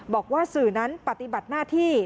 บอกว่าสื่อนั้นปฏิบัติหน้าที่